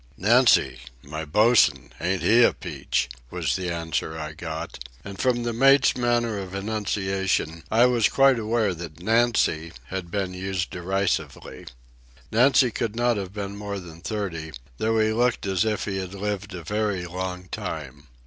"Nancy—my bosun; ain't he a peach?" was the answer I got, and from the mate's manner of enunciation I was quite aware that "Nancy" had been used derisively. Nancy could not have been more than thirty, though he looked as if he had lived a very long time.